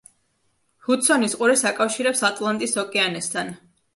ჰუდსონის ყურეს აკავშირებს ატლანტის ოკეანესთან.